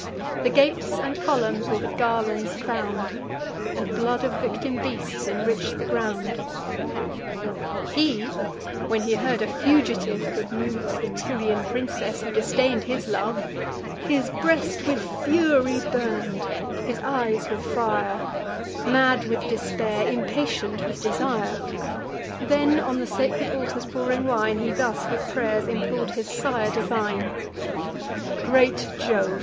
The gates and columns were with garlands crown'd, And blood of victim beasts enrich'd the ground. He, when he heard a fugitive could move The Tyrian princess, who disdain'd his love, His breast with fury burn'd, his eyes with fire, Mad with despair, impatient with desire; Then on the sacred altars pouring wine, He thus with pray'rs implor'd his sire divine: "Great Jove!